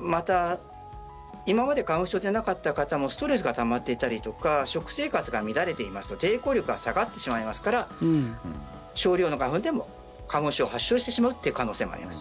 また今まで花粉症じゃなかった方もストレスがたまっていたりとか食生活が乱れていますと抵抗力が下がってしまいますから少量の花粉でも花粉症を発症してしまうっていう可能性もあります。